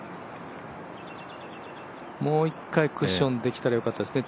もう一回クッションできたらよかったですね。